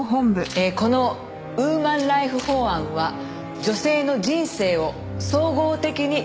このウーマンライフ法案は女性の人生を総合的に支援するものでございます。